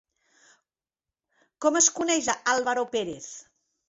Com es coneix a Álvaro Pérez?